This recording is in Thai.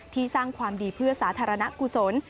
สร้างความดีเพื่อสาธารณะกุศล